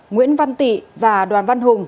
nguyễn văn tị và đoàn văn hùng